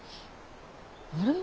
あれ？